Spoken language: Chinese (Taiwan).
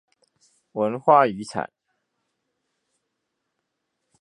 文化遺產